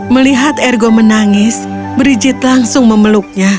melihat ergo menangis brigit langsung memeluknya